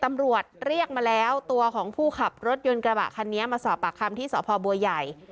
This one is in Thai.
ตำรวจเรียกมาแล้วตัวของผู้ขับรถยนต์กระบะคันนี้มาสอบปากคำที่สพบัวใหญ่